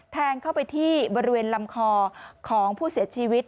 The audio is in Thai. แทงเข้าไปที่บริเวณลำคอของผู้เสียชีวิต